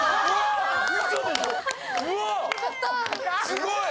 すごい！